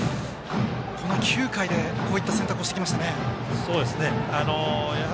この９回でこういった選択をしてきましたね。